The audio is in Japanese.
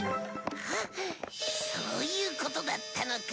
そういうことだったのか。